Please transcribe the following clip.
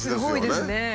すごいですね。